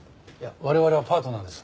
我々はパートナーです。